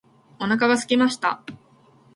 お腹がすきました。